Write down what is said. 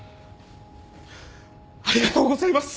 ありがとうございます！